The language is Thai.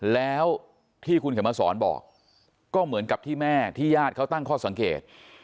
แล้วที่คุณเข็มมาสอนบอกก็เหมือนกับที่แม่ที่ญาติเขาตั้งข้อสังเกต